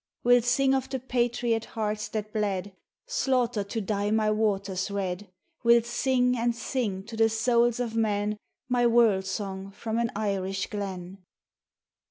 " Will sing of the patriot hearts that bled, Slaughtered to dye my waters red ; Will sing and sing to the souls of men My world song from an Irish glen.